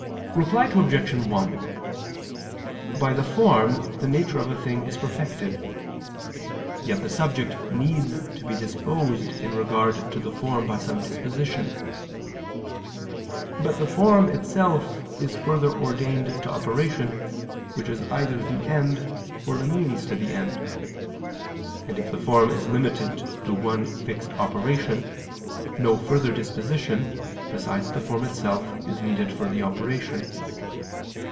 Reply Obj. 1: By the form the nature of a thing is perfected: yet the subject needs to be disposed in regard to the form by some disposition. But the form itself is further ordained to operation, which is either the end, or the means to the end. And if the form is limited to one fixed operation, no further disposition, besides the form itself, is needed for the operation.